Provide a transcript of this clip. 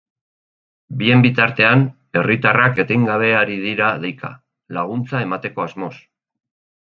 Bien bitartean, herritarrak etengabe ari dira deika, laguntza emateko asmoz.